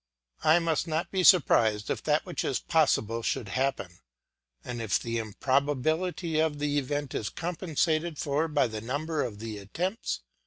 I must not be surprised if that which is possible should happen, and if the improbability of the event is compensated for by the number of the attempts.